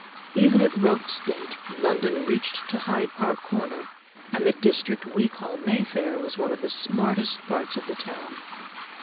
Even at Rocque's date, London reached to Hyde Park Corner, and the district we call Mayfair was one of the smartest parts of the town.